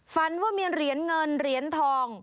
ฝันว่ามีเหรียญเงินเหรียญทอง